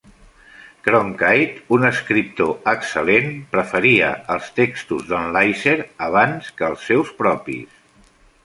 Cronkite, un escriptor excel·lent, preferia el textos de"n Leiser abans que els seus propis.